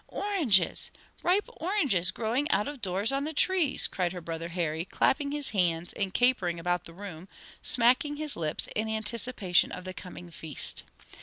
"Oranges! ripe oranges growing out of doors on the trees!" cried her brother Harry, clapping his hands and capering about the room, smacking his lips in anticipation of the coming feast.